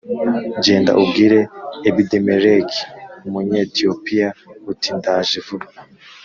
Genda ubwire Ebedimeleki Umunyetiyopiya uti ndaje vuba